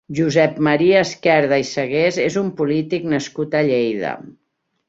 Josep Maria Esquerda i Segués és un polític nascut a Lleida.